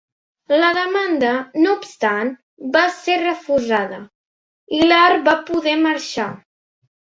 La demanda, no obstant, va ser refusada i Lahr va poder marxar.